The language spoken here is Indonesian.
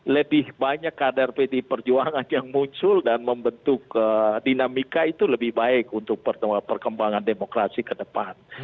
lebih banyak kader pdi perjuangan yang muncul dan membentuk dinamika itu lebih baik untuk perkembangan demokrasi ke depan